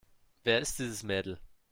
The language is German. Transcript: Wer ist dieses Mädel?